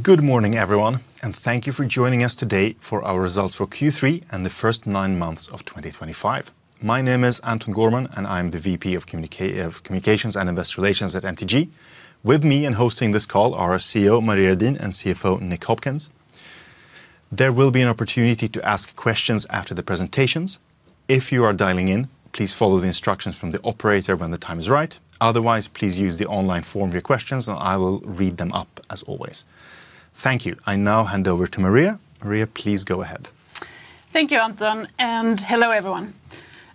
Good morning, everyone, and thank you for joining us today for our results for Q3 and the first nine months of 2025. My name is Anton Gourman, and I'm the VP of Communications and Investor Relations at MTG. With me and hosting this call are CEO Maria Redin and CFO Nick Hopkins. There will be an opportunity to ask questions after the presentations. If you are dialing in, please follow the instructions from the operator when the time is right. Otherwise, please use the online form for your questions, and I will read them up as always. Thank you. I now hand over to Maria. Maria, please go ahead. Thank you, Anton, and hello, everyone.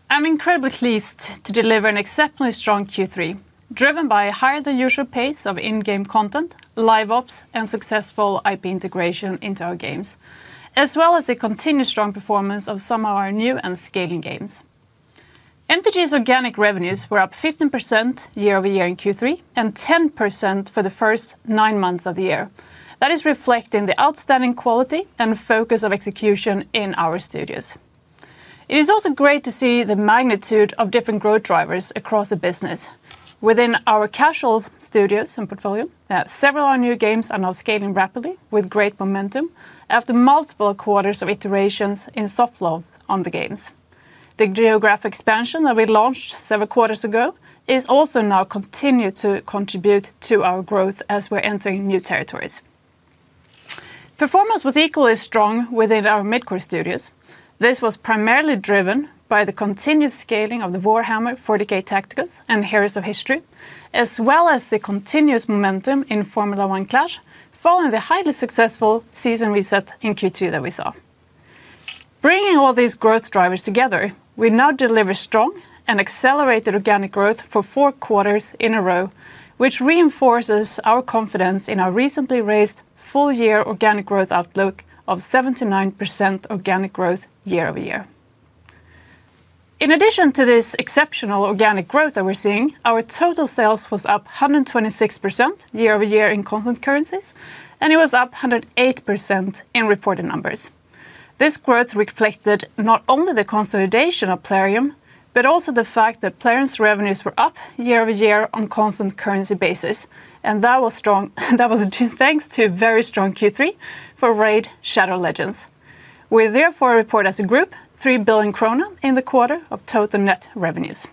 I'm incredibly pleased to deliver an exceptionally strong Q3, driven by a higher-than-usual pace of in-game content, live ops, and successful IP integration into our games, as well as the continued strong performance of some of our new and scaling games. MTG's organic revenues were up 15% year-over-year in Q3 and 10% for the first nine months of the year. That is reflecting the outstanding quality and focus of execution in our studios. It is also great to see the magnitude of different growth drivers across the business. Within our casual studios and portfolio, several of our new games are now scaling rapidly with great momentum after multiple quarters of iterations in soft launch on the games. The geographic expansion that we launched several quarters ago is also now continuing to contribute to our growth as we're entering new territories. Performance was equally strong within our mid-core studios. This was primarily driven by the continued scaling of Warhammer 40,000: Tacticus and Heroes of History, as well as the continuous momentum in Formula 1 Clash following the highly successful season reset in Q2 that we saw. Bringing all these growth drivers together, we now deliver strong and accelerated organic growth for four quarters in a row, which reinforces our confidence in our recently raised full-year organic growth outlook of 79% organic growth year-over-year. In addition to this exceptional organic growth that we're seeing, our total sales was up 126% year-over-year in constant currencies, and it was up 108% in reported numbers. This growth reflected not only the consolidation of Plarium, but also the fact that Plarium's revenues were up year-over-year on a constant currency basis. That was thanks to a very strong Q3 for Raid: Shadow Legends. We therefore report as a group 3 billion krona in the quarter of total net revenues.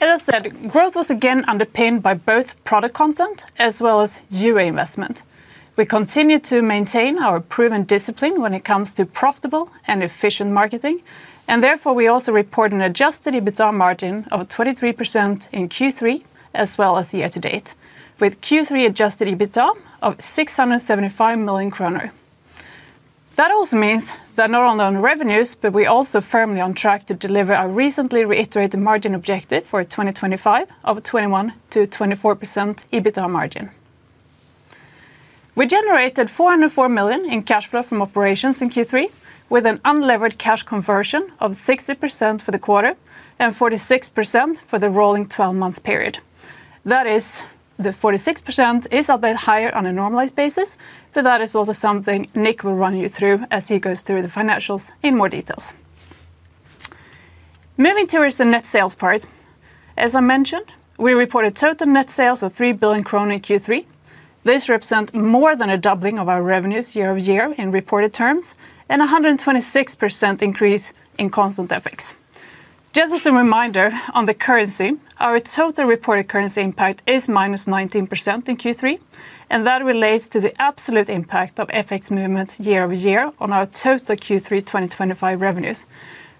As I said, growth was again underpinned by both product content as well as UA investment. We continue to maintain our proven discipline when it comes to profitable and efficient marketing, and therefore we also report an adjusted EBITDA margin of 23% in Q3 as well as year-to-date, with Q3 adjusted EBITDA of 675 million kronor. That also means that not only on revenues, but we are also firmly on track to deliver our recently reiterated margin objective for 2025 of a 21%-24% EBITDA margin. We generated 404 million in cash flow from operations in Q3, with an unlevered cash conversion of 60% for the quarter and 46% for the rolling 12-month period. That is, the 46% is a bit higher on a normalized basis, but that is also something Nick will run you through as he goes through the financials in more detail. Moving towards the net sales part, as I mentioned, we reported total net sales of 3 billion krona in Q3. This represents more than a doubling of our revenues year-over-year in reported terms and a 126% increase in constant currencies. Just as a reminder on the currency, our total reported currency impact is -19% in Q3, and that relates to the absolute impact of FX movements year-over-year on our total Q3 2025 revenues.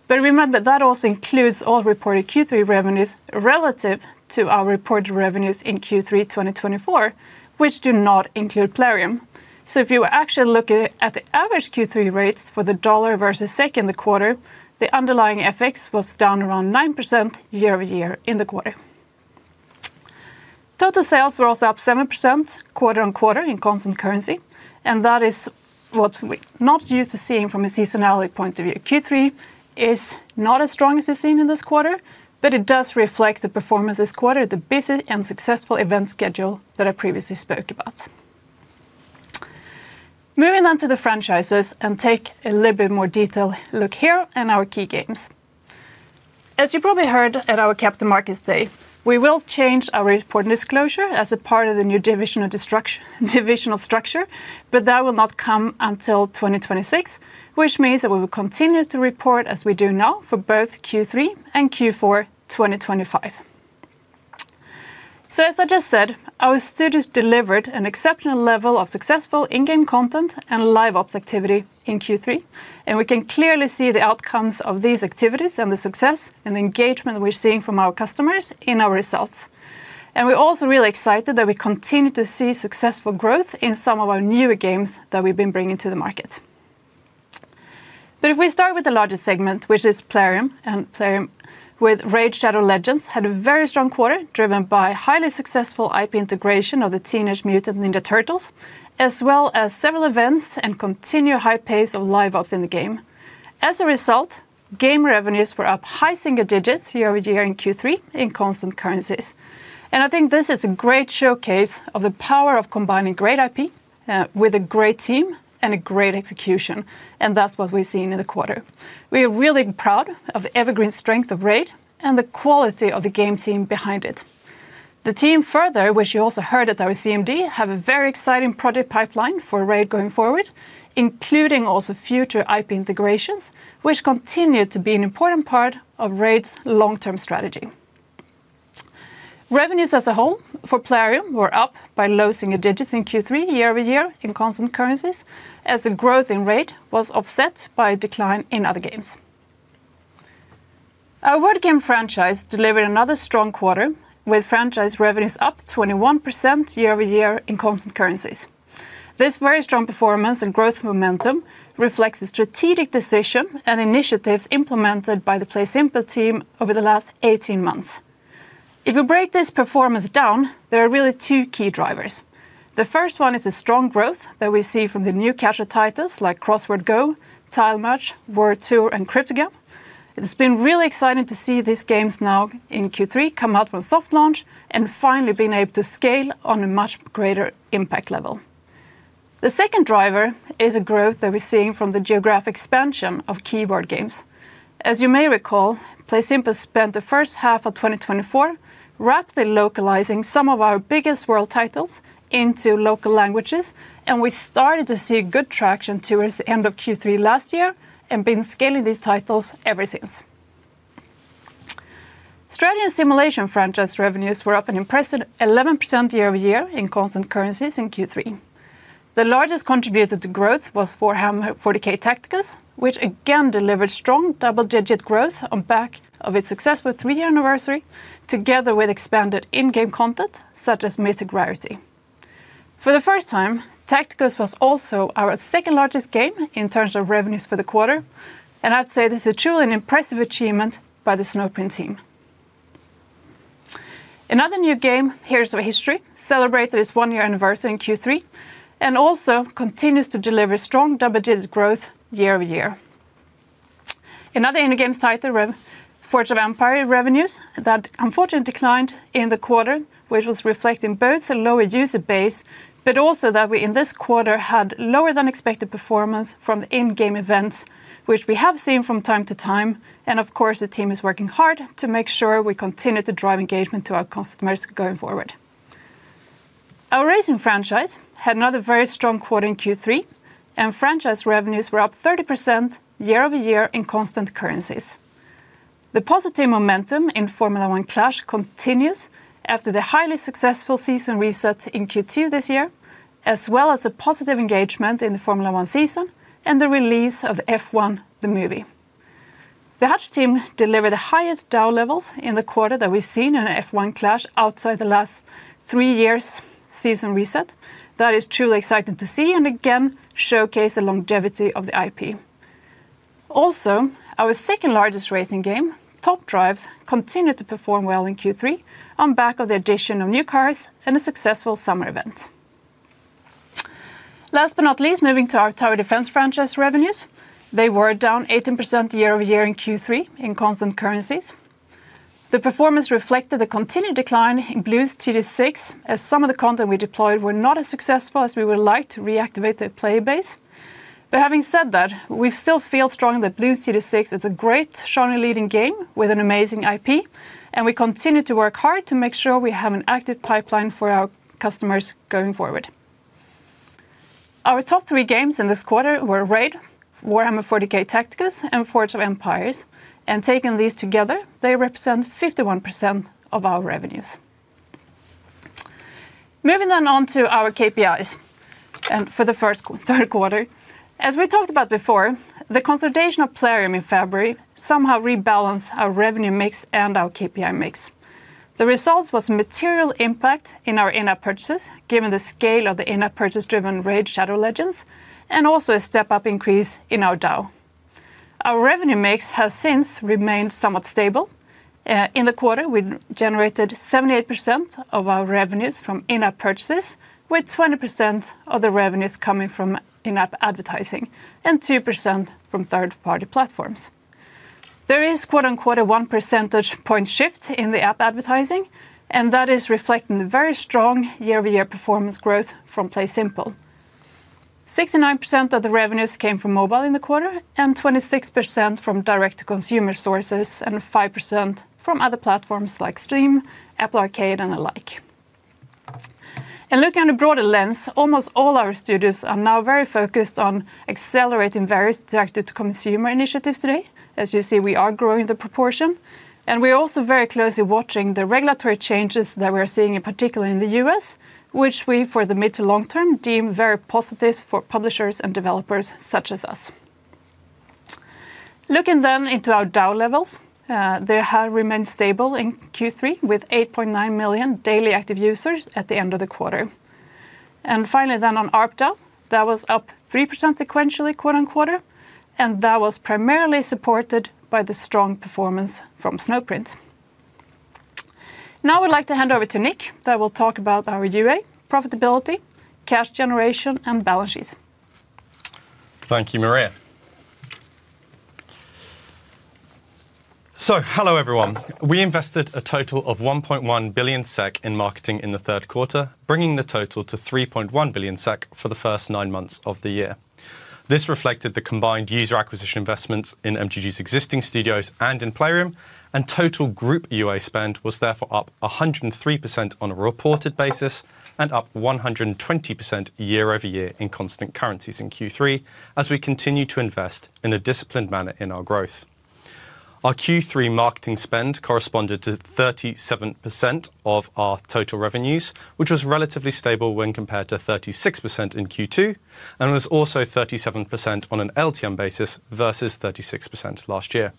Remember, that also includes all reported Q3 revenues relative to our reported revenues in Q3 2024, which do not include Plarium. If you were actually looking at the average Q3 rates for the dollar versus second quarter, the underlying FX was down around 9% year-over-year in the quarter. Total sales were also up 7% quarter on quarter in constant currency, and that is what we're not used to seeing from a seasonality point of view. Q3 is not as strong as you've seen in this quarter, but it does reflect the performance this quarter, the busy and successful event schedule that I previously spoke about. Moving on to the franchises and take a little bit more detailed look here in our key games. As you probably heard at our Capital Markets Day, we will change our report disclosure as a part of the new divisional structure, but that will not come until 2026, which means that we will continue to report as we do now for both Q3 and Q4 2025. As I just said, our studios delivered an exceptional level of successful in-game content and live ops activity in Q3, and we can clearly see the outcomes of these activities and the success and the engagement we're seeing from our customers in our results. We're also really excited that we continue to see successful growth in some of our newer games that we've been bringing to the market. If we start with the largest segment, which is Plarium, and Plarium with Raid: Shadow Legends had a very strong quarter driven by highly successful IP integration of the Teenage Mutant Ninja Turtles, as well as several events and continued high pace of live ops in the game. As a result, game revenues were up high single digits year-over-year in Q3 in constant currencies. I think this is a great showcase of the power of combining great IP with a great team and a great execution, and that's what we've seen in the quarter. We are really proud of the evergreen strength of Raid and the quality of the game team behind it. The team further, which you also heard at our CMD, has a very exciting project pipeline for Raid going forward, including also future IP integrations, which continue to be an important part of Raid's long-term strategy. Revenues as a whole for Plarium were up by low single digits in Q3 year-over-year in constant currencies, as the growth in Raid was offset by a decline in other games. Our board game franchise delivered another strong quarter, with franchise revenues up 21% year-over-year in constant currencies. This very strong performance and growth momentum reflects the strategic decision and initiatives implemented by the PlaySimple team over the last 18 months. If we break this performance down, there are really two key drivers. The first one is the strong growth that we see from the new casual titles like Crossword Go, Tile Match, World Tour, and Cryptogame. It's been really exciting to see these games now in Q3 come out from soft launch and finally being able to scale on a much greater impact level. The second driver is a growth that we're seeing from the geographic expansion of keyboard games. As you may recall, PlaySimple spent the first half of 2024 rapidly localizing some of our biggest world titles into local languages, and we started to see good traction towards the end of Q3 last year and have been scaling these titles ever since. Strategy and simulation franchise revenues were up an impressive 11% year-over-year in constant currencies in Q3. The largest contributor to growth was Warhammer 40,000: Tacticus, which again delivered strong double-digit growth on the back of its success with three-year anniversary, together with expanded in-game content such as Mythic Rarity. For the first time, Tacticus was also our second-largest game in terms of revenues for the quarter, and I'd say this is truly an impressive achievement by the Snowprint team. Another new game, Heroes of History, celebrated its one-year anniversary in Q3 and also continues to deliver strong double-digit growth year-over-year. Another in-game title, revered Forge of Empire, revenues that unfortunately declined in the quarter, which was reflecting both a lower user base, but also that we in this quarter had lower-than-expected performance from in-game events, which we have seen from time to time. Of course, the team is working hard to make sure we continue to drive engagement to our customers going forward. Our racing franchise had another very strong quarter in Q3, and franchise revenues were up 30% year-over-year in constant currencies. The positive momentum in Formula 1 Clash continues after the highly successful season reset in Q2 this year, as well as the positive engagement in the Formula 1 season and the release of F1: The Movie. The Hutch team delivered the highest DAU levels in the quarter that we've seen in Formula 1 Clash outside the last three years' season reset. That is truly exciting to see and again showcases the longevity of the IP. Also, our second-largest racing game, Top Drives, continued to perform well in Q3 on the back of the addition of new cars and a successful summer event. Last but not least, moving to our Tower Defense franchise revenues, they were down 18% year-over-year in Q3 in constant currencies. The performance reflected the continued decline in Bloons TD6, as some of the content we deployed were not as successful as we would like to reactivate the player base. Having said that, we still feel strongly that Bloons TD6 is a great, strongly leading game with an amazing IP, and we continue to work hard to make sure we have an active pipeline for our customers going forward. Our top three games in this quarter were Raid, Warhammer 40,000: Tacticus, and Forge of Empire, and taking these together, they represent 51% of our revenues. Moving then on to our KPIs for the first quarter. As we talked about before, the consolidation of Plarium in February somehow rebalanced our revenue mix and our KPI mix. The result was a material impact in our in-app purchases, given the scale of the in-app purchase driven Raid: Shadow Legends, and also a step-up increase in our DAU. Our revenue mix has since remained somewhat stable. In the quarter, we generated 78% of our revenues from in-app purchases, with 20% of the revenues coming from in-app advertising and 2% from third-party platforms. There is a one percentage point shift in the in-app advertising, and that is reflecting the very strong year-over-year performance growth from PlaySimple. 69% of the revenues came from mobile in the quarter and 26% from direct-to-consumer sources and 5% from other platforms like Steam, Apple Arcade, and the like. Looking at a broader lens, almost all our studios are now very focused on accelerating various direct-to-consumer initiatives today. As you see, we are growing the proportion, and we are also very closely watching the regulatory changes that we are seeing, particularly in the U.S., which we for the mid to long term deem very positive for publishers and developers such as us. Looking then into our DAU levels, they have remained stable in Q3 with 8.9 million daily active users at the end of the quarter. Finally, on ARPDAU, that was up 3% sequentially quarter on quarter, and that was primarily supported by the strong performance from Snowprint. Now I would like to hand over to Nick, who will talk about our UA, profitability, cash generation, and balance sheet. Thank you, Maria. Hello everyone. We invested a total of 1.1 billion SEK in marketing in the third quarter, bringing the total to 3.1 billion SEK for the first nine months of the year. This reflected the combined user acquisition investments in MTG's existing studios and in Plarium, and total group UA spend was therefore up 103% on a reported basis and up 120% year-over-year in constant currencies in Q3, as we continue to invest in a disciplined manner in our growth. Our Q3 marketing spend corresponded to 37% of our total revenues, which was relatively stable when compared to 36% in Q2, and was also 37% on an LTM basis versus 36% last year.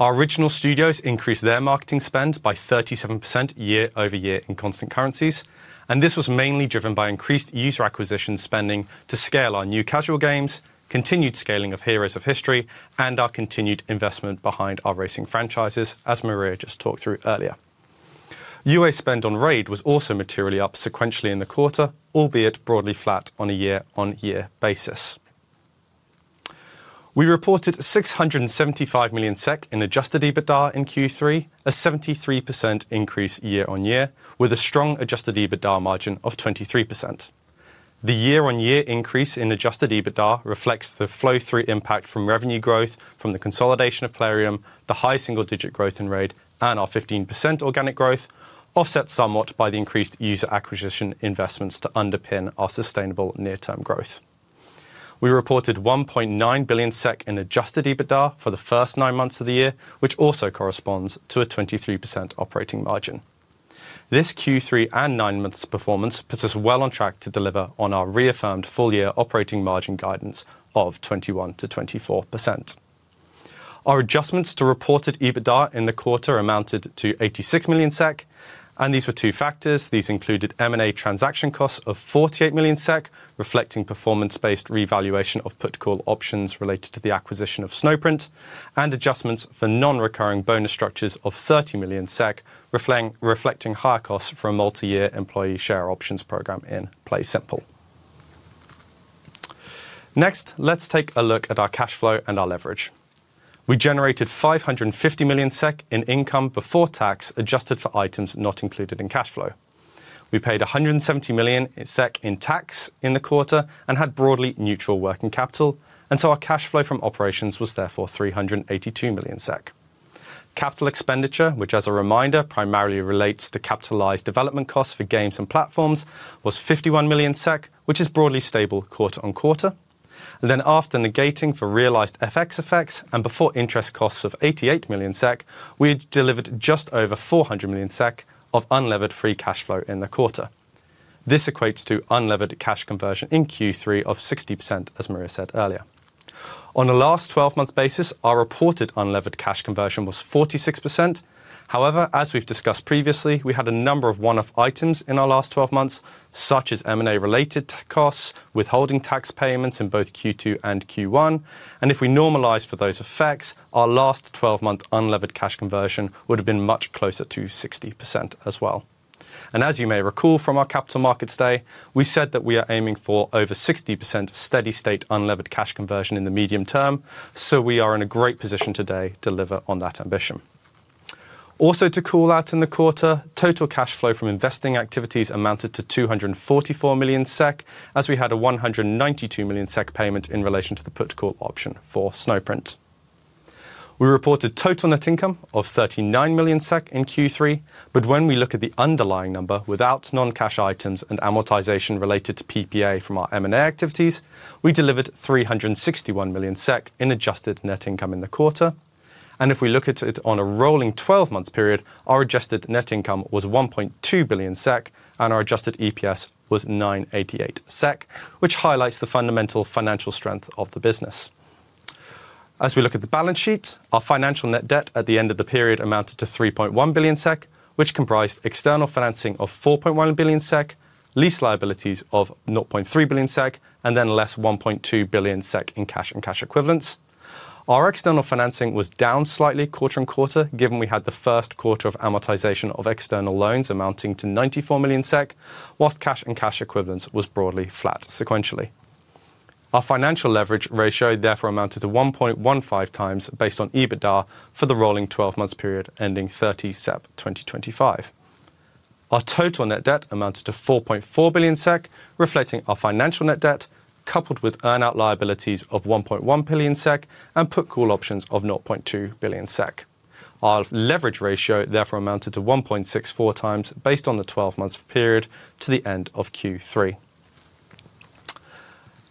Our original studios increased their marketing spend by 37% year-over-year in constant currencies, and this was mainly driven by increased user acquisition spending to scale our new casual games, continued scaling of Heroes of History, and our continued investment behind our racing franchises, as Maria just talked through earlier. UA spend on Raid was also materially up sequentially in the quarter, albeit broadly flat on a year-on-year basis. We reported 675 million SEK in adjusted EBITDA in Q3, a 73% increase year-on-year, with a strong adjusted EBITDA margin of 23%. The year-on-year increase in adjusted EBITDA reflects the flow-through impact from revenue growth from the consolidation of Plarium, the high single-digit growth in Raid, and our 15% organic growth, offset somewhat by the increased user acquisition investments to underpin our sustainable near-term growth. We reported 1.9 billion SEK in adjusted EBITDA for the first nine months of the year, which also corresponds to a 23% operating margin. This Q3 and nine months' performance puts us well on track to deliver on our reaffirmed full-year operating margin guidance of 21%-24%. Our adjustments to reported EBITDA in the quarter amounted to 86 million SEK, and these were two factors. These included M&A transaction costs of 48 million SEK, reflecting performance-based revaluation of put-call options related to the acquisition of Snowprint, and adjustments for non-recurring bonus structures of 30 million SEK, reflecting higher costs for a multi-year employee share options program in PlaySimple. Next, let's take a look at our cash flow and our leverage. We generated 550 million SEK in income before tax adjusted for items not included in cash flow. We paid 170 million SEK in tax in the quarter and had broadly neutral working capital, and so our cash flow from operations was therefore 382 million SEK. Capital expenditure, which as a reminder primarily relates to capitalized development costs for games and platforms, was 51 million SEK, which is broadly stable quarter on quarter. After negating for realized FX effects and before interest costs of 88 million SEK, we delivered just over 400 million SEK of unlevered free cash flow in the quarter. This equates to unlevered cash conversion in Q3 of 60%, as Maria said earlier. On a last 12-month basis, our reported unlevered cash conversion was 46%. However, as we have discussed previously, we had a number of one-off items in our last 12 months, such as M&A-related costs, withholding tax payments in both Q2 and Q1, and if we normalize for those effects, our last 12-month unlevered cash conversion would have been much closer to 60% as well. As you may recall from our capital markets day, we said that we are aiming for over 60% steady-state unlevered cash conversion in the medium term, so we are in a great position today to deliver on that ambition. Also to call out in the quarter, total cash flow from investing activities amounted to 244 million SEK, as we had a 192 million SEK payment in relation to the put-call option for Snowprint. We reported total net income of 39 million SEK in Q3, but when we look at the underlying number without non-cash items and amortization related to PPA from our M&A activities, we delivered 361 million SEK in adjusted net income in the quarter. If we look at it on a rolling 12-month period, our adjusted net income was 1.2 billion SEK, and our adjusted EPS was 988 SEK, which highlights the fundamental financial strength of the business. As we look at the balance sheet, our financial net debt at the end of the period amounted to 3.1 billion SEK, which comprised external financing of 4.1 billion SEK, lease liabilities of 0.3 billion SEK, and then less 1.2 billion SEK in cash and cash equivalents. Our external financing was down slightly quarter on quarter, given we had the first quarter of amortization of external loans amounting to 94 million SEK, whilst cash and cash equivalents was broadly flat sequentially. Our financial leverage ratio therefore amounted to 1.15 times based on EBITDA for the rolling 12-month period ending July 30, 2025. Our total net debt amounted to 4.4 billion SEK, reflecting our financial net debt, coupled with earn-out liabilities of 1.1 billion SEK and put-call options of 0.2 billion SEK. Our leverage ratio therefore amounted to 1.64 times based on the 12-month period to the end of Q3.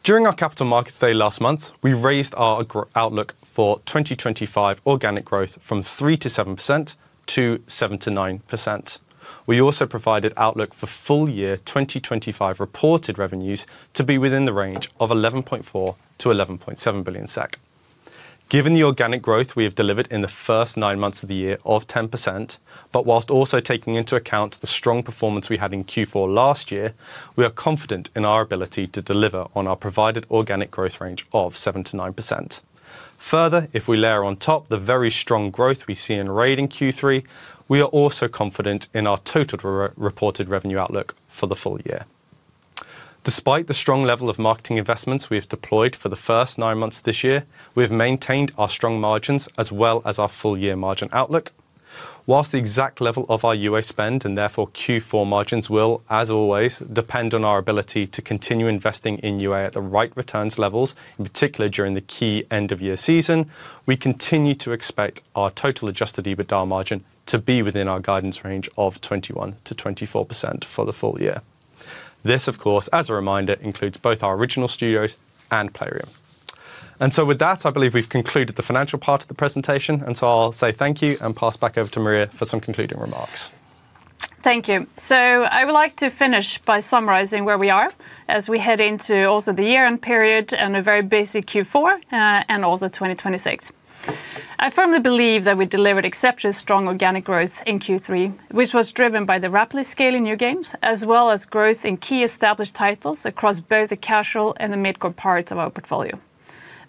During our capital markets day last month, we raised our outlook for 2025 organic growth from 3%-7% -7%-9%. We also provided outlook for full-year 2025 reported revenues to be within the range of 11.4 billion-11.7 billion SEK. Given the organic growth we have delivered in the first nine months of the year of 10%, but whilst also taking into account the strong performance we had in Q4 last year, we are confident in our ability to deliver on our provided organic growth range of 7%-9%. Further, if we layer on top the very strong growth we see in Raid in Q3, we are also confident in our total reported revenue outlook for the full year. Despite the strong level of marketing investments we have deployed for the first nine months this year, we have maintained our strong margins as well as our full-year margin outlook. Whilst the exact level of our UA spend and therefore Q4 margins will, as always, depend on our ability to continue investing in UA at the right returns levels, in particular during the key end-of-year season, we continue to expect our total adjusted EBITDA margin to be within our guidance range of 21%-24% for the full year. This, of course, as a reminder, includes both our original studios and Plarium. I believe we have concluded the financial part of the presentation, and I will say thank you and pass back over to Maria for some concluding remarks. Thank you. I would like to finish by summarizing where we are as we head into also the year-end period and a very busy Q4 and also 2026. I firmly believe that we delivered exceptionally strong organic growth in Q3, which was driven by the rapidly scaling new games, as well as growth in key established titles across both the casual and the mid-core parts of our portfolio.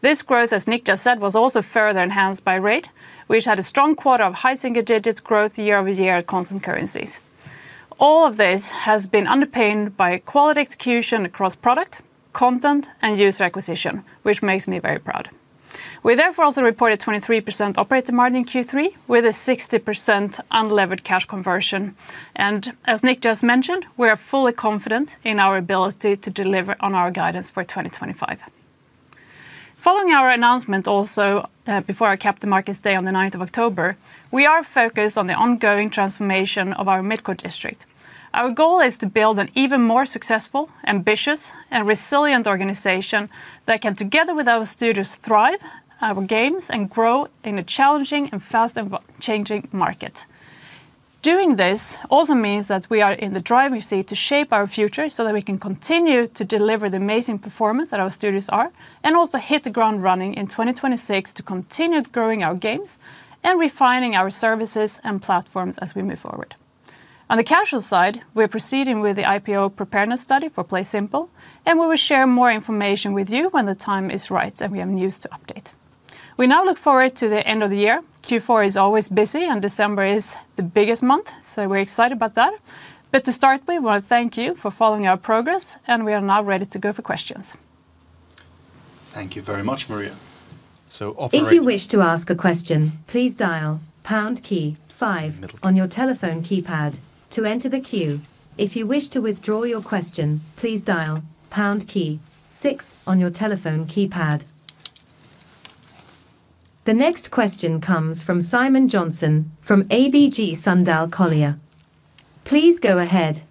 This growth, as Nick just said, was also further enhanced by Raid, which had a strong quarter of high single-digit growth year-over-year at constant currencies. All of this has been underpinned by quality execution across product, content, and user acquisition, which makes me very proud. We therefore also reported 23% operating margin in Q3 with a 60% unlevered cash conversion. As Nick just mentioned, we are fully confident in our ability to deliver on our guidance for 2025. Following our announcement also before our capital markets day on the 9th of October, we are focused on the ongoing transformation of our mid-core district. Our goal is to build an even more successful, ambitious, and resilient organization that can, together with our studios, thrive our games and grow in a challenging and fast-changing market. Doing this also means that we are in the driving seat to shape our future so that we can continue to deliver the amazing performance that our studios are and also hit the ground running in 2026 to continue growing our games and refining our services and platforms as we move forward. On the casual side, we are proceeding with the IPO preparedness study for PlaySimple, and we will share more information with you when the time is right and we have news to update. We now look forward to the end of the year. Q4 is always busy, and December is the biggest month, so we're excited about that. To start, we want to thank you for following our progress, and we are now ready to go for questions. Thank you very much, Maria. If you wish to ask a question, please dial pound key five on your telephone keypad to enter the queue. If you wish to withdraw your question, please dial pound key six on your telephone keypad. The next question comes from Simon Jönsson from ABG Sundal Collier. Please go ahead.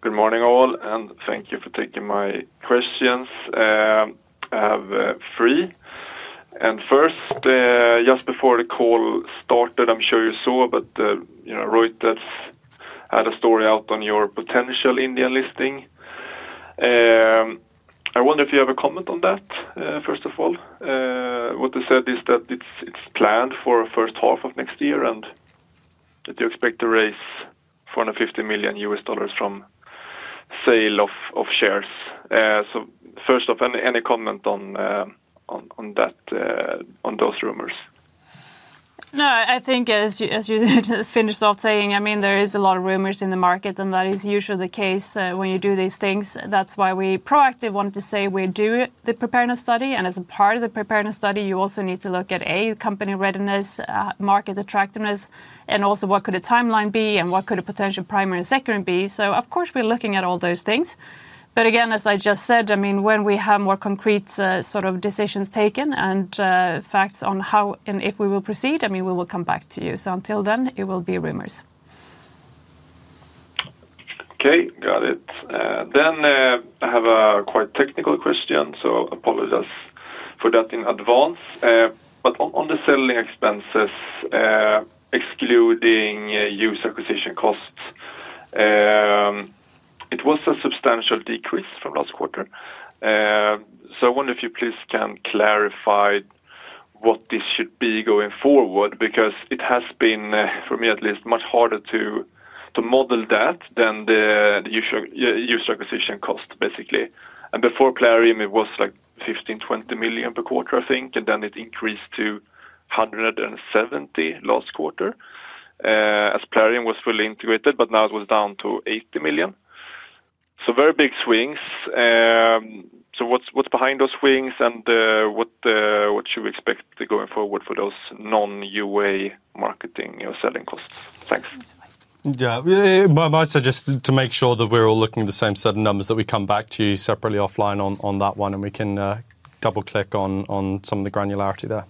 Good morning all, and thank you for taking my questions. I have three. First, just before the call started, I'm sure you saw, but Reuters had a story out on your potential Indian listing. I wonder if you have a comment on that, first of all. What they said is that it's planned for the first half of next year and that you expect to raise $450 million from sale of shares. First off, any comment on that, on those rumors? No, I think as you finished off saying, I mean, there is a lot of rumors in the market, and that is usually the case when you do these things. That is why we proactively wanted to say we do the preparedness study. As a part of the preparedness study, you also need to look at A, company readiness, market attractiveness, and also what could the timeline be and what could the potential primary and secondary be. Of course, we're looking at all those things. But again, as I just said, I mean, when we have more concrete sort of decisions taken and facts on how and if we will proceed, I mean, we will come back to you. Until then, it will be rumors. Okay, got it. I have a quite technical question, so apologies for that in advance. On the selling expenses, excluding user acquisition costs, it was a substantial decrease from last quarter. I wonder if you please can clarify what this should be going forward, because it has been, for me at least, much harder to model that than the user acquisition cost, basically. Before Plarium, it was like 15 million-20 million per quarter, I think, and then it increased to 170 million last quarter as Plarium was fully integrated, but now it was down to 80 million. Very big swings. What's behind those swings and what should we expect going forward for those non-UA marketing or selling costs? Thanks. Yeah, I might suggest to make sure that we're all looking at the same set of numbers that we come back to you separately offline on that one, and we can double-click on some of the granularity there.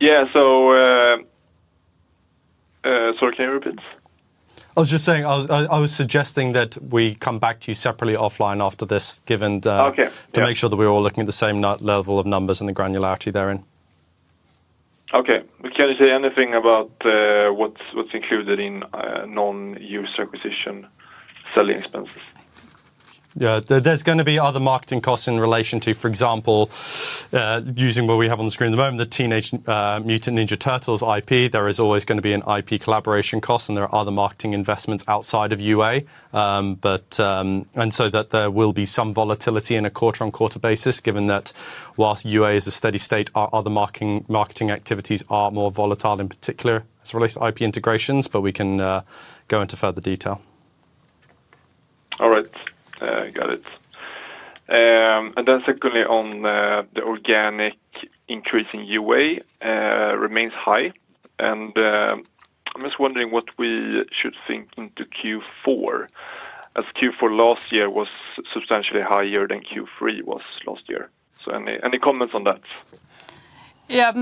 Yeah, can you repeat? I was just saying I was suggesting that we come back to you separately offline after this, given to make sure that we're all looking at the same level of numbers and the granularity therein. Okay, can you say anything about what's included in non-user acquisition selling expenses? Yeah, there's going to be other marketing costs in relation to, for example, using what we have on the screen at the moment, the Teenage Mutant Ninja Turtles IP. There is always going to be an IP collaboration cost, and there are other marketing investments outside of UA. There will be some volatility in a quarter-on-quarter basis, given that whilst UA is a steady state, our other marketing activities are more volatile in particular as it relates to IP integrations, but we can go into further detail. All right, got it. Secondly, on the organic increase in UA remains high. I am just wondering what we should think into Q4, as Q4 last year was substantially higher than Q3 was last year. Any comments on that? Yeah,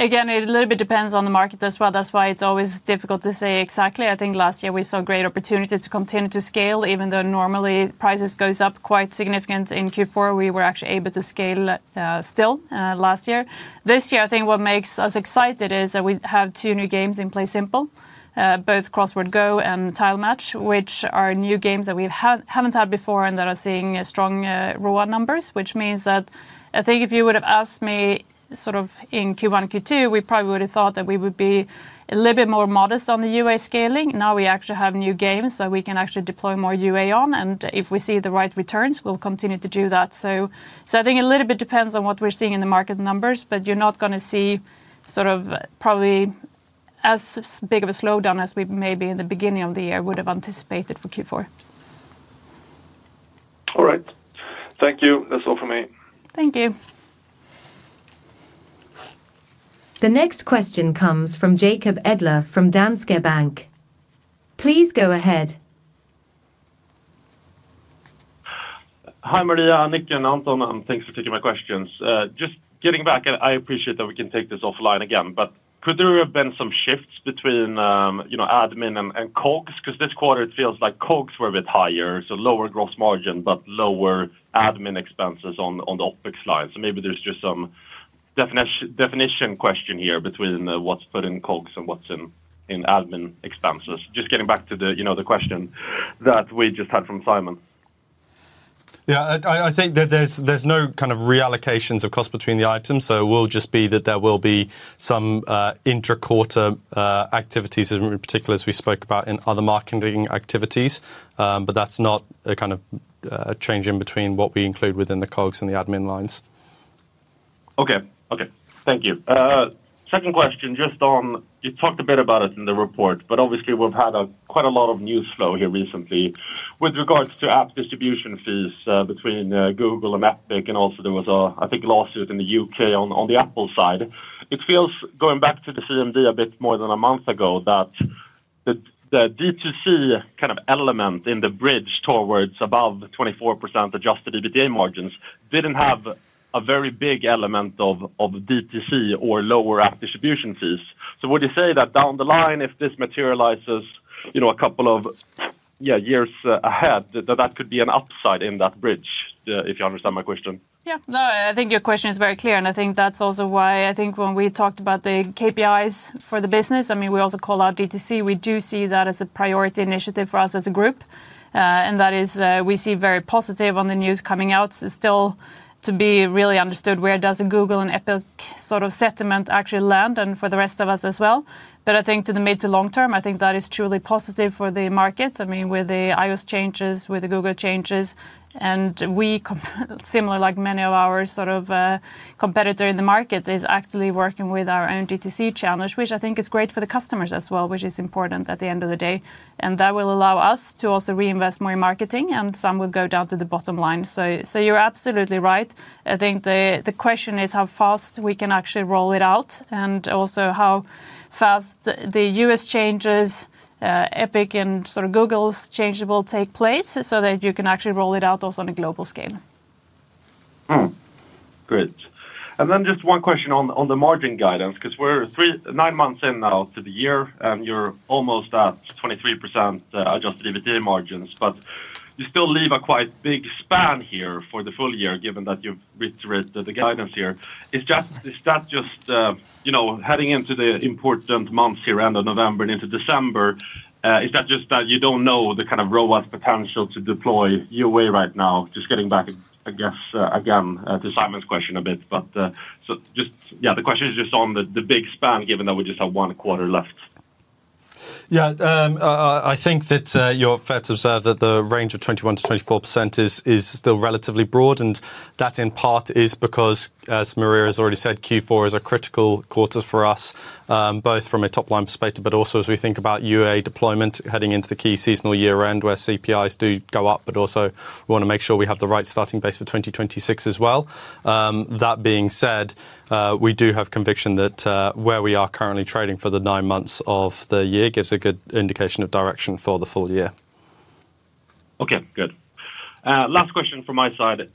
again, it a little bit depends on the market as well. That is why it is always difficult to say exactly. I think last year we saw great opportunity to continue to scale, even though normally prices go up quite significantly in Q4, we were actually able to scale still last year. This year, I think what makes us excited is that we have two new games in PlaySimple, both Crossword Go and Tile Match, which are new games that we haven't had before and that are seeing strong ROA numbers, which means that I think if you would have asked me sort of in Q1, Q2, we probably would have thought that we would be a little bit more modest on the UA scaling. Now we actually have new games that we can actually deploy more UA on, and if we see the right returns, we'll continue to do that. I think a little bit depends on what we're seeing in the market numbers, but you're not going to see probably as big of a slowdown as we maybe in the beginning of the year would have anticipated for Q4. All right, thank you. That's all for me. Thank you. The next question comes from Jacob Edler from Danske Bank. Please go ahead. Hi Maria, Nick, and Anton, and thanks for taking my questions. Just getting back, I appreciate that we can take this offline again, but could there have been some shifts between admin and COGS? Because this quarter, it feels like COGS were a bit higher, so lower gross margin, but lower admin expenses on the OpEx line. Maybe there's just some definition question here between what's put in COGS and what's in admin expenses. Just getting back to the question that we just had from Simon. Yeah, I think that there's no kind of reallocations of cost between the items, so it will just be that there will be some intra-quarter activities, in particular, as we spoke about in other marketing activities, but that's not a kind of change in between what we include within the COGS and the admin lines. Okay, okay, thank you. Second question, just on, you talked a bit about it in the report, but obviously we've had quite a lot of news flow here recently with regards to app distribution fees between Google and Epic, and also there was a, I think, lawsuit in the U.K. on the Apple side. It feels, going back to the CMD a bit more than a month ago, that the D2C kind of element in the bridge towards above 24% adjusted EBITDA margins did not have a very big element of D2C or lower app distribution fees. Would you say that down the line, if this materializes a couple of years ahead, that that could be an upside in that bridge, if you understand my question? Yeah, no, I think your question is very clear, and I think that is also why I think when we talked about the KPIs for the business, I mean, we also call out D2C, we do see that as a priority initiative for us as a group, and that is we see very positive on the news coming out. It's still to be really understood where does the Google and Epic sort of settlement actually land and for the rest of us as well. I think to the mid to long term, I think that is truly positive for the market. I mean, with the iOS changes, with the Google changes, and we, similar like many of our sort of competitors in the market, are actually working with our own D2C challenge, which I think is great for the customers as well, which is important at the end of the day. That will allow us to also reinvest more in marketing, and some will go down to the bottom line. You're absolutely right. I think the question is how fast we can actually roll it out and also how fast the U.S. changes, Epic and sort of Google's changes will take place so that you can actually roll it out also on a global scale. Great. Then just one question on the margin guidance, because we're nine months in now to the year and you're almost at 23% adjusted EBITDA margins, but you still leave a quite big span here for the full year, given that you've reiterated the guidance here. Is that just heading into the important months here, end of November and into December? Is that just that you don't know the kind of robust potential to deploy UA right now? Just getting back, I guess, again to Simon's question a bit, but just, yeah, the question is just on the big span, given that we just have one quarter left. Yeah, I think that your effects observe that the range of 21-24% is still relatively broad, and that in part is because, as Maria has already said, Q4 is a critical quarter for us, both from a top-line perspective, but also as we think about UA deployment heading into the key seasonal year-end where CPIs do go up, but also we want to make sure we have the right starting base for 2026 as well. That being said, we do have conviction that where we are currently trading for the nine months of the year gives a good indication of direction for the full year. Okay, good. Last question from my side.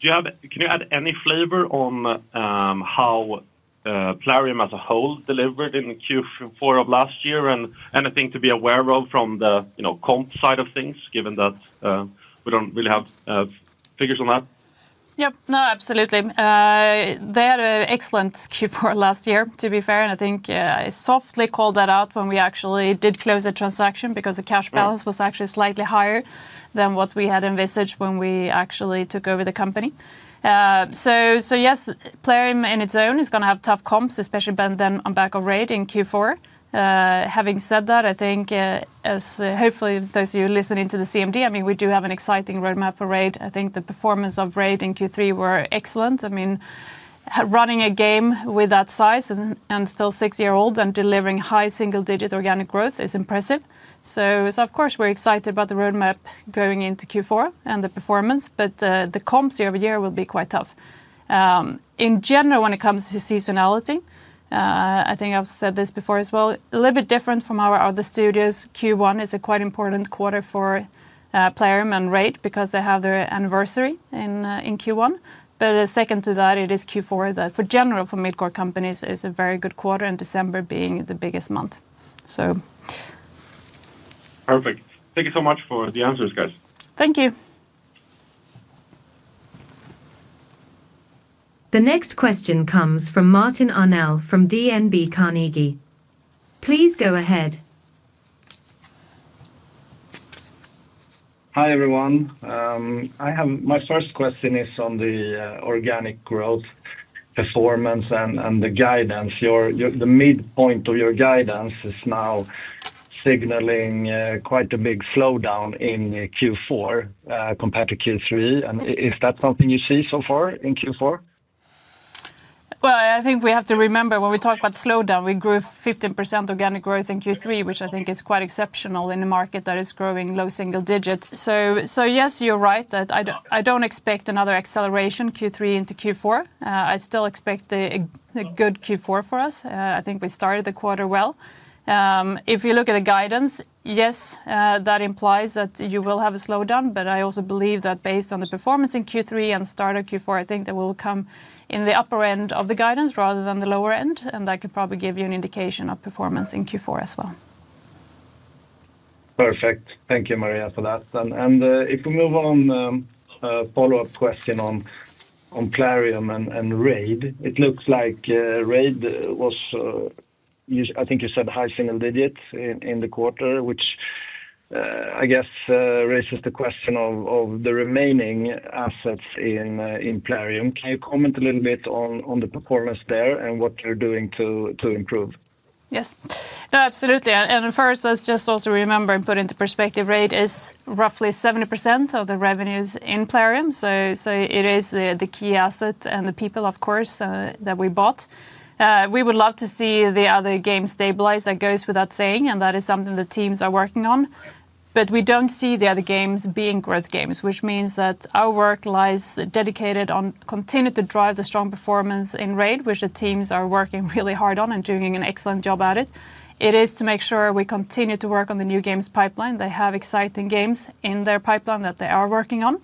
Can you add any flavor on how Plarium as a whole delivered in Q4 of last year and anything to be aware of from the comp side of things, given that we do not really have figures on that? Yep, no, absolutely. They had an excellent Q4 last year, to be fair, and I think I softly called that out when we actually did close the transaction because the cash balance was actually slightly higher than what we had envisaged when we actually took over the company. Yes, Plarium in its own is going to have tough comps, especially then on back of Raid in Q4. Having said that, I think, as hopefully those of you listening to the CMD, I mean, we do have an exciting roadmap for Raid. I think the performance of Raid in Q3 was excellent. I mean, running a game with that size and still six-year-old and delivering high single-digit organic growth is impressive. Of course, we're excited about the roadmap going into Q4 and the performance, but the comps year over year will be quite tough. In general, when it comes to seasonality, I think I've said this before as well, a little bit different from our other studios, Q1 is a quite important quarter for Plarium and Raid because they have their anniversary in Q1, but second to that, it is Q4 that for general for mid-core companies is a very good quarter and December being the biggest month. Perfect. Thank you so much for the answers, guys. Thank you. The next question comes from Martin Arnell from DNB Carnegie. Please go ahead. Hi everyone. My first question is on the organic growth performance and the guidance. The midpoint of your guidance is now signaling quite a big slowdown in Q4 compared to Q3. Is that something you see so far in Q4? I think we have to remember when we talk about slowdown, we grew 15% organic growth in Q3, which I think is quite exceptional in a market that is growing low single digit. Yes, you're right that I do not expect another acceleration Q3 into Q4. I still expect a good Q4 for us. I think we started the quarter well. If you look at the guidance, yes, that implies that you will have a slowdown, but I also believe that based on the performance in Q3 and start of Q4, I think that we will come in the upper end of the guidance rather than the lower end, and that could probably give you an indication of performance in Q4 as well. Perfect. Thank you, Maria, for that. If we move on, follow-up question on Plarium and Raid, it looks like Raid was, I think you said, high single digit in the quarter, which I guess raises the question of the remaining assets in Plarium. Can you comment a little bit on the performance there and what you're doing to improve? Yes, no, absolutely. First, let's just also remember and put into perspective, Raid is roughly 70% of the revenues in Plarium, so it is the key asset and the people, of course, that we bought. We would love to see the other games stabilize, that goes without saying, and that is something the teams are working on, but we do not see the other games being growth games, which means that our work lies dedicated on continuing to drive the strong performance in Raid, which the teams are working really hard on and doing an excellent job at it. It is to make sure we continue to work on the new games pipeline. They have exciting games in their pipeline that they are working on.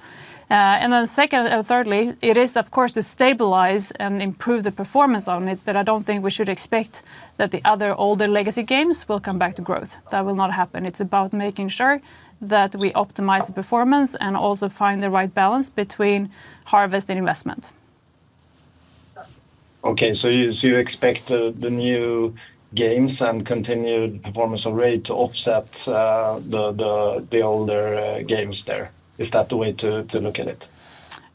Second and thirdly, it is, of course, to stabilize and improve the performance on it, but I do not think we should expect that the other older legacy games will come back to growth. That will not happen. It is about making sure that we optimize the performance and also find the right balance between harvest and investment. Okay, so you expect the new games and continued performance of Raid to offset the older games there. Is that the way to look at it?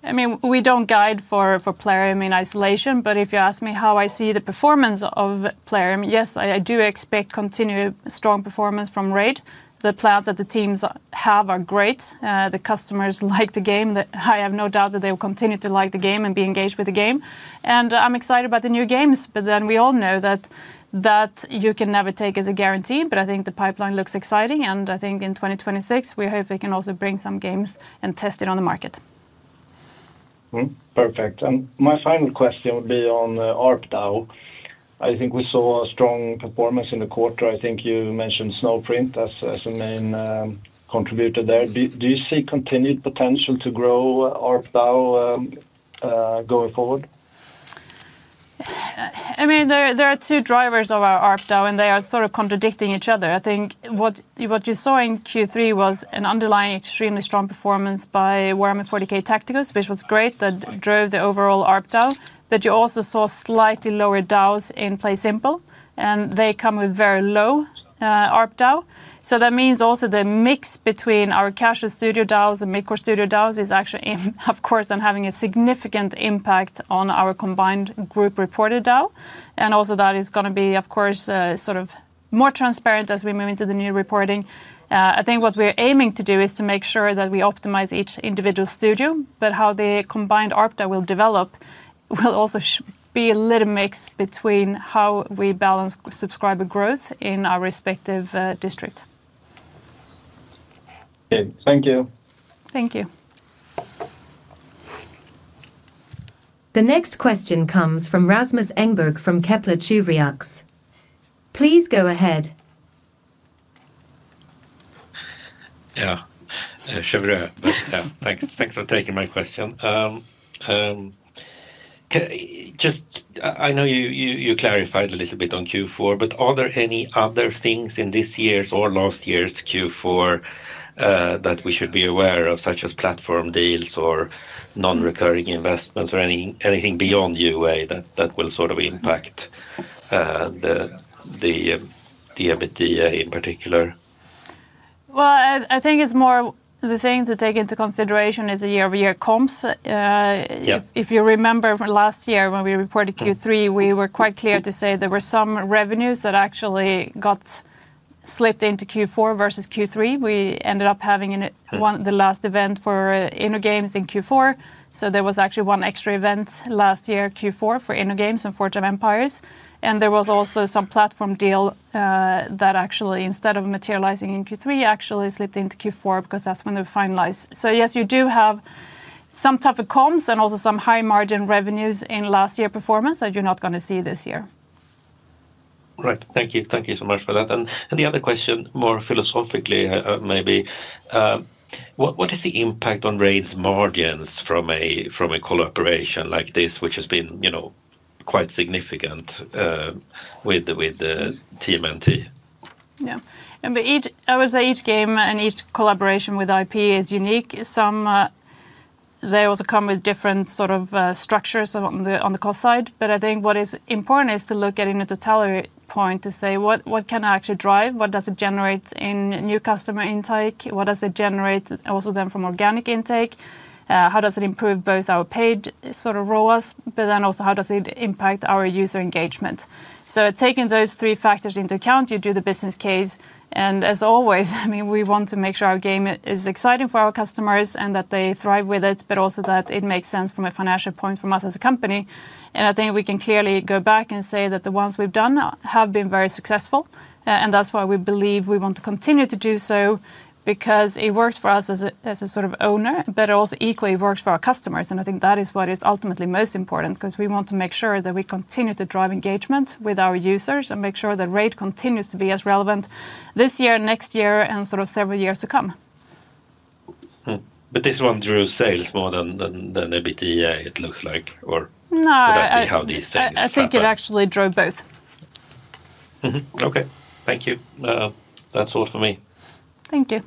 I mean, we do not guide for Plarium in isolation, but if you ask me how I see the performance of Plarium, yes, I do expect continued strong performance from Raid. The plans that the teams have are great. The customers like the game. I have no doubt that they will continue to like the game and be engaged with the game. I'm excited about the new games, but we all know that you can never take it as a guarantee. I think the pipeline looks exciting, and I think in 2026, we hope we can also bring some games and test it on the market. Perfect. My final question would be on ARPDAU. I think we saw a strong performance in the quarter. I think you mentioned Snowprint as a main contributor there. Do you see continued potential to grow ARPDAU going forward? I mean, there are two drivers of our ARPDAU, and they are sort of contradicting each other. I think what you saw in Q3 was an underlying extremely strong performance by Warhammer 40,000: Tacticus, which was great, that drove the overall ARPDAU, but you also saw slightly lower DAUs in PlaySimple, and they come with very low ARPDAU. That means also the mix between our casual studio DAUs and mid-core studio DAUs is actually, of course, having a significant impact on our combined group reported DAU. Also, that is going to be, of course, sort of more transparent as we move into the new reporting. I think what we're aiming to do is to make sure that we optimize each individual studio, but how the combined ARPDAU will develop will also be a little mix between how we balance subscriber growth in our respective district. Okay, thank you. Thank you. The next question comes from Rasmus Engberg from Kepler Cheuvreux. Please go ahead. Yeah, thanks for taking my question. Just, I know you clarified a little bit on Q4, but are there any other things in this year's or last year's Q4 that we should be aware of, such as platform deals or non-recurring investments or anything beyond UA that will sort of impact the EBITDA in particular? I think it's more the thing to take into consideration is the year-over-year comps. If you remember last year when we reported Q3, we were quite clear to say there were some revenues that actually got slipped into Q4 versus Q3. We ended up having the last event for InnoGames in Q4, so there was actually one extra event last year, Q4, for InnoGames and Forge of Empire. There was also some platform deal that actually, instead of materializing in Q3, actually slipped into Q4 because that's when they were finalized. Yes, you do have some tougher comps and also some high-margin revenues in last year's performance that you're not going to see this year. Great, thank you so much for that. The other question, more philosophically maybe, what is the impact on Raid's margins from a collaboration like this, which has been quite significant with the team and team? Yeah, I would say each game and each collaboration with IP is unique. They also come with different sort of structures on the cost side, but I think what is important is to look at it in a totality point to say, what can I actually drive? What does it generate in new customer intake? What does it generate also then from organic intake? How does it improve both our paid sort of ROAS, but then also how does it impact our user engagement? Taking those three factors into account, you do the business case. As always, I mean, we want to make sure our game is exciting for our customers and that they thrive with it, but also that it makes sense from a financial point from us as a company. I think we can clearly go back and say that the ones we've done have been very successful, and that's why we believe we want to continue to do so because it works for us as a sort of owner, but also equally works for our customers. I think that is what is ultimately most important because we want to make sure that we continue to drive engagement with our users and make sure that Raid continues to be as relevant this year, next year, and sort of several years to come. But this one drew sales more than EBITDA, it looks like, or would that be how these sales? I think it actually drove both. Okay, thank you. That's all for me. Thank you.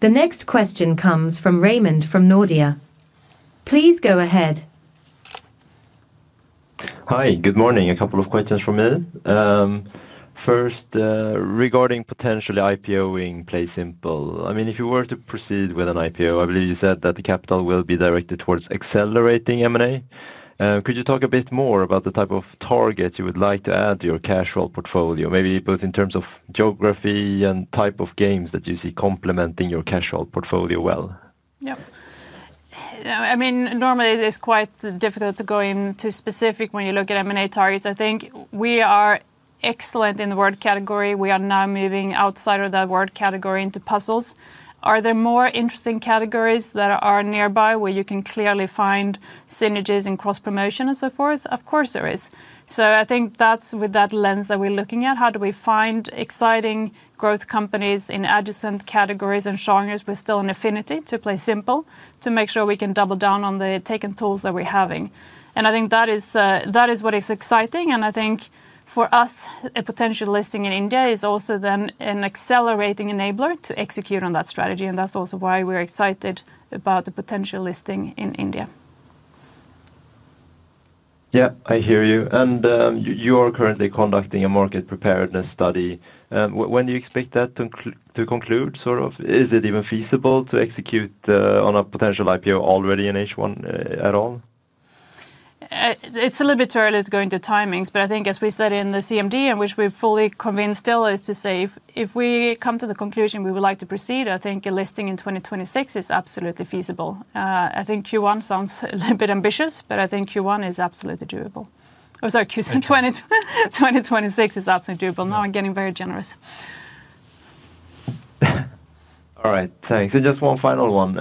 The next question comes from Raymond from Nordea. Please go ahead. Hi, good morning. A couple of questions for me. First, regarding potentially IPOing PlaySimple, I mean, if you were to proceed with an IPO, I believe you said that the capital will be directed towards accelerating M&A. Could you talk a bit more about the type of targets you would like to add to your casual portfolio, maybe both in terms of geography and type of games that you see complementing your casual portfolio well? Yep. I mean, normally it's quite difficult to go into specific when you look at M&A targets. I think we are excellent in the world category. We are now moving outside of that word category into puzzles. Are there more interesting categories that are nearby where you can clearly find synergies in cross-promotion and so forth? Of course there is. I think that is with that lens that we are looking at. How do we find exciting growth companies in adjacent categories and genres? We are still in affinity to PlaySimple to make sure we can double down on the taken tools that we are having. I think that is what is exciting. I think for us, a potential listing in India is also then an accelerating enabler to execute on that strategy. That is also why we are excited about the potential listing in India. Yeah, I hear you. You are currently conducting a market preparedness study. When do you expect that to conclude sort of? Is it even feasible to execute on a potential IPO already in H1 at all? It's a little bit early to go into timings, but I think as we said in the CMD, in which we're fully convinced still, is to say if we come to the conclusion we would like to proceed, I think a listing in 2026 is absolutely feasible. I think Q1 sounds a little bit ambitious, but I think Q1 is absolutely doable. I'm sorry, 2026 is absolutely doable. Now I'm getting very generous. All right, thanks. Just one final one.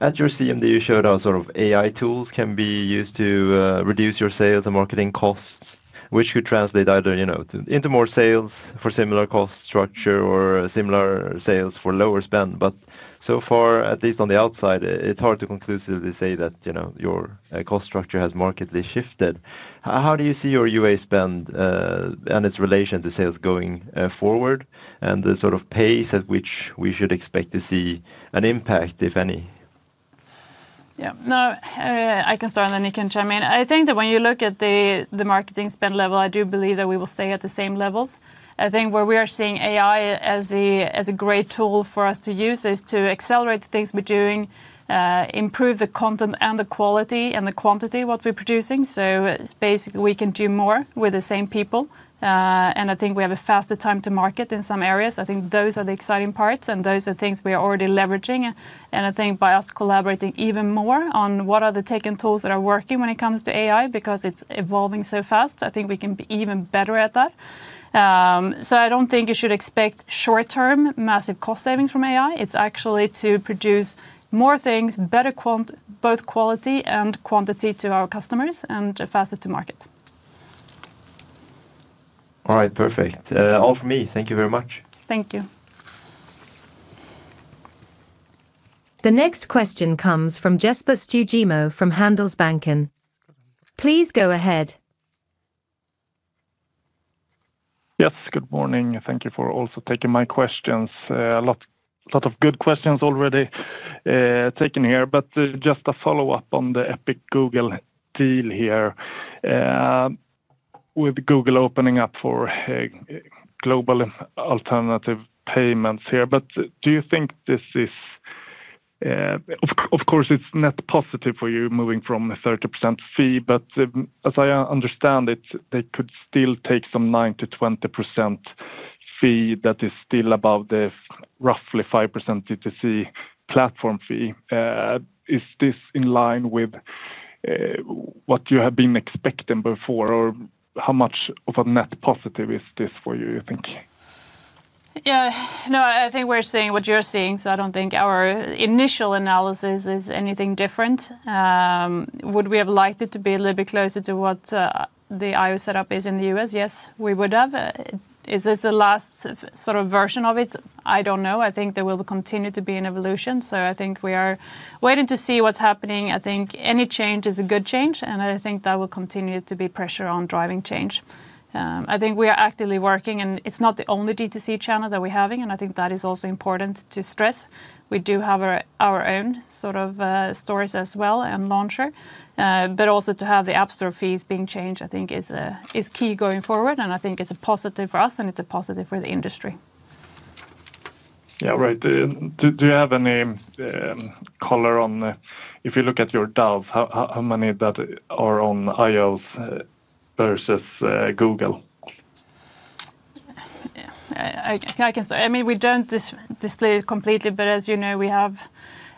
At your CMD, you showed how sort of AI tools can be used to reduce your sales and marketing costs, which could translate either into more sales for similar cost structure or similar sales for lower spend. So far, at least on the outside, it's hard to conclusively say that your cost structure has markedly shifted. How do you see your UA spend and its relation to sales going forward and the sort of pace at which we should expect to see an impact, if any? Yeah, no, I can start and then you can chime in. I think that when you look at the marketing spend level, I do believe that we will stay at the same levels. I think where we are seeing AI as a great tool for us to use is to accelerate the things we're doing, improve the content and the quality and the quantity of what we're producing. Basically, we can do more with the same people. I think we have a faster time to market in some areas. I think those are the exciting parts and those are things we are already leveraging. I think by us collaborating even more on what are the taken tools that are working when it comes to AI, because it is evolving so fast, I think we can be even better at that. I do not think you should expect short-term massive cost savings from AI. It is actually to produce more things, better both quality and quantity to our customers and faster to market. All right, perfect. All for me. Thank you very much. Thank you. The next question comes from Jesper Stugemo from Handelsbanken. Please go ahead. Yes, good morning. Thank you for also taking my questions. A lot of good questions already taken here, but just a follow-up on the Epic Google deal here with Google opening up for global alternative payments here. Do you think this is, of course, it's net positive for you moving from a 30% fee, but as I understand it, they could still take some 9-20% fee that is still above the roughly 5% TTC platform fee. Is this in line with what you have been expecting before or how much of a net positive is this for you, you think? Yeah, no, I think we're seeing what you're seeing, so I don't think our initial analysis is anything different. Would we have liked it to be a little bit closer to what the iOS setup is in the U.S.? Yes, we would have. Is this the last sort of version of it? I don't know. I think there will continue to be an evolution, so I think we are waiting to see what's happening. I think any change is a good change, and I think that will continue to be pressure on driving change. I think we are actively working, and it's not the only D2C channel that we're having, and I think that is also important to stress. We do have our own sort of stores as well and launcher, but also to have the App Store fees being changed, I think is key going forward, and I think it's a positive for us and it's a positive for the industry. Yeah, right. Do you have any color on if you look at your DAU, how many that are on iOS versus Google? I can start. I mean, we don't display it completely, but as you know, we have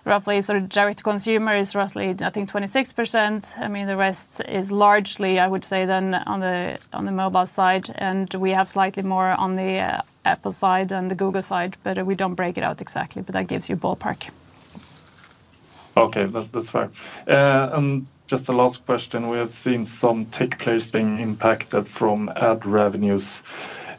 roughly sort of direct-to-consumer is roughly, I think, 26%. I mean, the rest is largely, I would say, then on the mobile side, and we have slightly more on the Apple side than the Google side, but we do not break it out exactly, but that gives you a ballpark. Okay, that is fine. Just the last question, we have seen some tech placing impacted from ad revenues.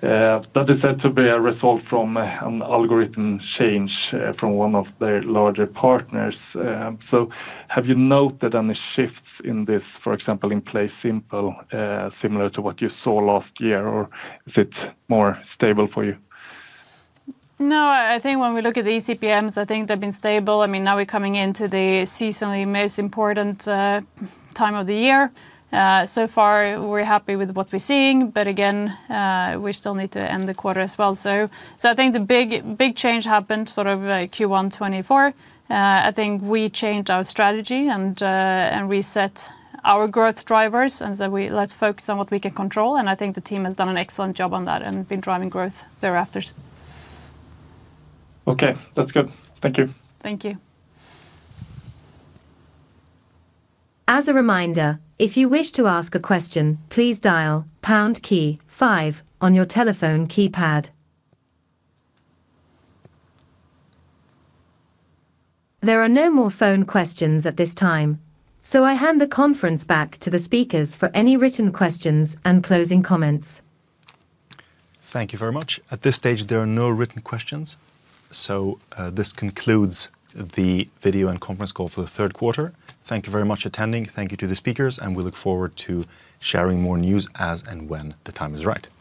That is said to be a result from an algorithm change from one of their larger partners. Have you noted any shifts in this, for example, in PlaySimple, similar to what you saw last year, or is it more stable for you? No, I think when we look at the ECPMs, I think they have been stable. I mean, now we are coming into the seasonally most important time of the year. So far, we are happy with what we are seeing, but again, we still need to end the quarter as well. I think the big change happened sort of Q1 2024. I think we changed our strategy and reset our growth drivers and said, "Let's focus on what we can control." I think the team has done an excellent job on that and been driving growth thereafter. Okay, that's good. Thank you. Thank you. As a reminder, if you wish to ask a question, please dial pound key five on your telephone keypad. There are no more phone questions at this time, so I hand the conference back to the speakers for any written questions and closing comments. Thank you very much. At this stage, there are no written questions, so this concludes the video and conference call for the third quarter. Thank you very much for attending. Thank you to the speakers, and we look forward to sharing more news as and when the time is right. Thank you.